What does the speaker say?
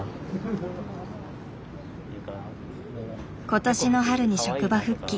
今年の春に職場復帰。